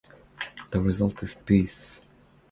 The result is peace.